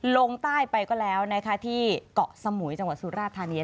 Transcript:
ลงใต้ไปก็แล้วนะคะที่เกาะสมุยจังหวัดสุราธานี